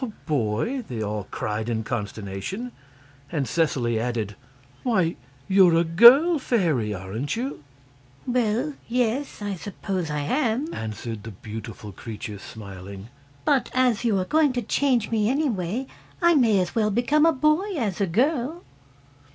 "A boy!" they all cried in consternation. And Seseley added: "Why you're a GIRL fairy, aren't you?" "Well yes; I suppose I am," answered the beautiful creature, smiling; "but as you are going to change me anyway, I may as well become a boy as a girl."